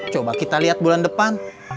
coba kita lihat bulan depan